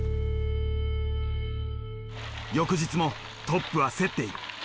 翌日もトップは競っている。